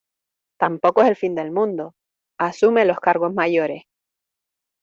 tampoco es el fin del mundo. asume los cargos mayores .